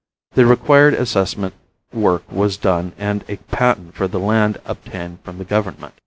The required assessment work was done and a patent for the land obtained from the government.